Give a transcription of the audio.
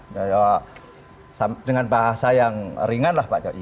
ya dengan bahasa yang ringan lah pak jokowi